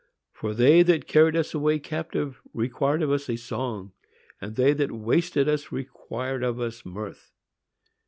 —"_For they that carried us away captive required of us a song, and they that wasted us required of us mirth.